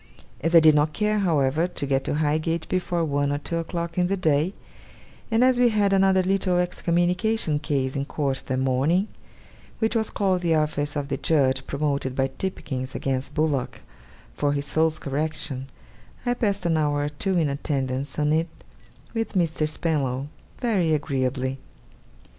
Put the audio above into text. As I did not care, however, to get to Highgate before one or two o'clock in the day, and as we had another little excommunication case in court that morning, which was called The office of the judge promoted by Tipkins against Bullock for his soul's correction, I passed an hour or two in attendance on it with Mr. Spenlow very agreeably.